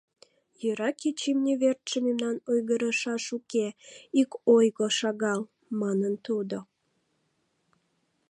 — Йӧра кеч имне верчше мемнан ойгырышаш уке, ик ойго шагал, — манын тудо.